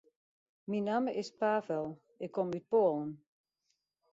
Myn namme is Pavel, ik kom út Poalen.